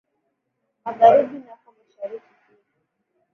Magharibi nako mashariki pia